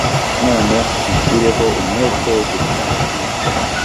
none mushyireho umwete wo gushakisha